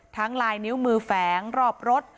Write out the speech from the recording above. ทั้งลายนิ้วมือแฟ้งรอบรถ